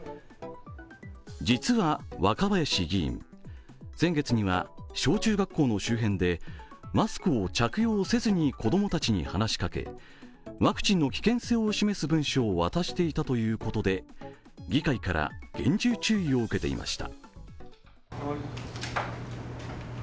実は若林議員、先月には小中学校の周辺でマスクを着用せずに子供たちに話しかけ、ワクチンの危険性を示す文書を渡していたということで、議会から厳重注意を受けていました。